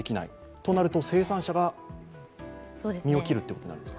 となると生産者が身を切るということになりますか？